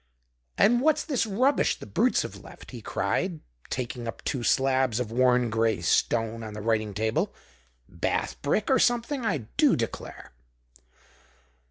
"And what's this rubbish the brutes have left?" he cried, taking up two slabs of worn gray stone, on the writing table. "Bath brick, or something, I do declare."